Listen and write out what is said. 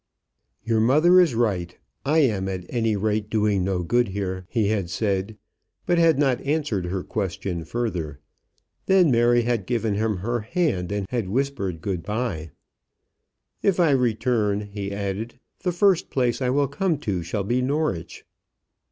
"Your mother is right. I am at any rate doing no good here," he had said, but had not answered her question further. Then Mary had given him her hand, and had whispered, "Good bye." "If I return," he added, "the first place I will come to shall be Norwich."